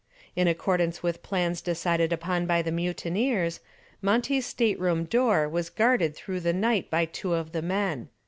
In accordance with plans decided upon by the mutineers, Monty's stateroom door was guarded through the night by two of the men.